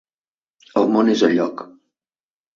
El món és a lloc.